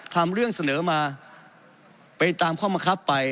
ทำเรื่องเสนอมาไปตามข้อมังคับไป